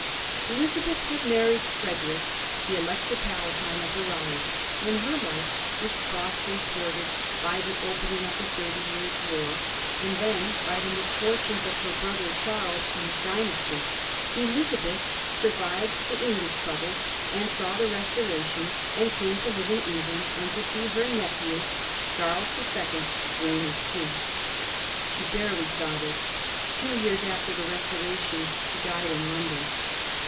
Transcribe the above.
Elizabeth had married Frederick, the Elector Palatine of the Rhine, and her life was crossed and thwarted by the opening of the Thirty Years' War, and then by the misfortunes of her brother Charles and his dynasty. Elizabeth survived the English troubles and saw the Restora tion, and came to live in England, and to see her nephew, Charles the Second, reign as king. She barely saw this. Two years after the Restoration she died in London.